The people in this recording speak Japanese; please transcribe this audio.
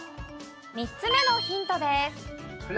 ３つ目のヒントです。